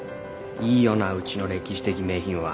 いいよなうちの歴史的名品は。